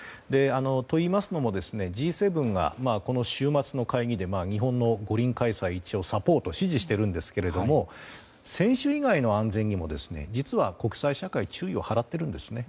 といいますのもＧ７はこの週末の会議で日本の五輪開催をサポート支持しているんですけど選手以外の安全にも実は国際社会は注意を払っているんですね。